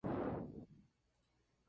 Fue creada por un levantamiento tectónico.